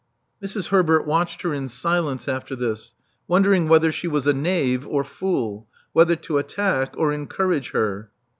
Mrs. Herbert watched her in silence after this, wondering whether she was a knave or fool — whether to attack or encourage her.